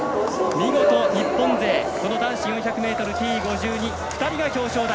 見事日本勢、男子４００ｍＴ５２、２人が表彰台。